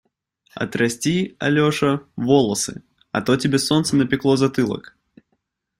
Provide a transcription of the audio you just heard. Отрасти, Алеша, волосы, а то тебе солнце напекло затылок.